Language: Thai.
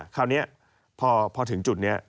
คราวนี้พอถึงจุดนี้